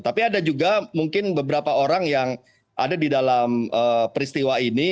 tapi ada juga mungkin beberapa orang yang ada di dalam peristiwa ini